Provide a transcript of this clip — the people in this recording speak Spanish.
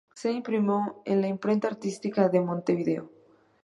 Se imprimió en la Imprenta Artística de Montevideo.